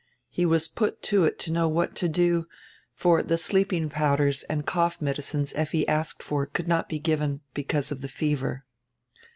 He was put to it to know what to do, for die sleeping powders and cough medicines Effi asked for could not be given, because of die fever.